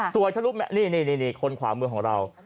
สวยทะลุบแมสนี่คนขวามือของเรา